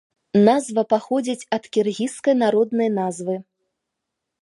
Назва паходзіць ад кіргізскай народнай назвы.